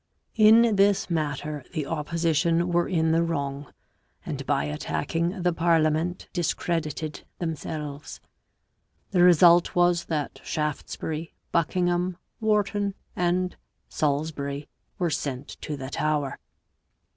In this matter the opposition were in the wrong, and by attacking the parliament discredited themselves. The result was that Shaftesbury, Buckingham, Wharton and Salisbury were sent to the Tower.